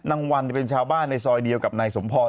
นางวันเป็นชาวบ้านในซอยเดียวกับนายสมพร